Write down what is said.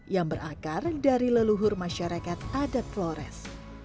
yang berakar dari leluhur masyarakat adat flores